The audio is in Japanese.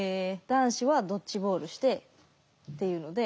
男子はドッジボールしてっていうので。